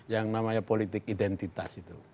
yang namanya politik identitas itu